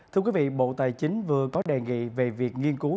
thưa quý vị bộ tài chính vừa có đề nghị về việc nghiên cứu